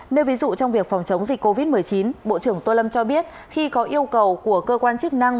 nơi ví dụ trong việc phòng chống dịch covid một mươi chín bộ trưởng tô lâm cho biết khi có yêu cầu của cơ quan chức năng